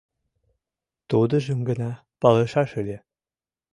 Тудыжым гына палышаш ыле -